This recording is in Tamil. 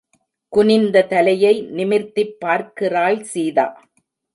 குனிந்த தலையை நிமிர்த்திப் பார்க்கிறாள் சீதா.